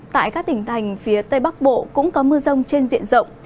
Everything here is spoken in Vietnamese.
tại các tỉnh thành phía tây bắc bộ cũng có mưa rông trên diện rộng